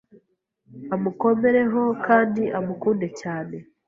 amukomereho kandi amukunde cyane